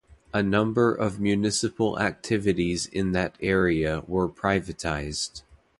A number of municipal activities in that area were privatized.